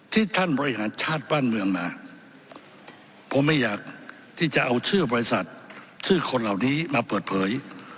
ที่ท่านบริหารชาติบ้านเมืองมาผมไม่อยากที่จะเอาชื่อบริษัทชื่อคนเหล่านี้มาเปิดเผย